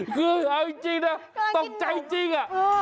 คือเอาจริงนะตกใจจริงอะ